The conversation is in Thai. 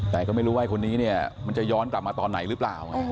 แต่ก็ไม่รู้ว่าไอคนนี้เนี่ยมันจะย้อนกลับมาตอนไหนหรือเปล่าไง